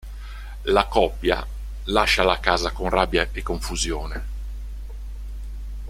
La coppia lascia la casa con rabbia e confusione.